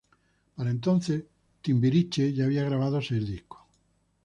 Para entonces Timbiriche ya había grabado seis discos.